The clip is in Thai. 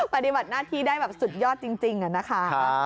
ปฏิบัติหน้าที่ได้แบบสุดยอดจริงนะคะ